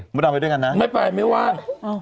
มุดัมไปด้วยกันนะไม่ไปไม่ว่าอ้าว